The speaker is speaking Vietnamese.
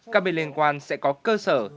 các bên liên quan sẽ có cơ sở